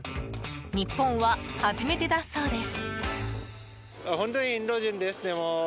日本は初めてだそうです。